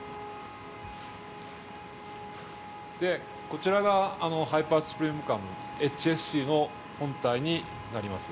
こちらがハイパー・シュプリーム・カムＨＳＣの本体になります。